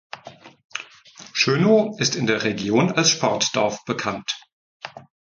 Schönow ist in der Region als Sport-Dorf bekannt.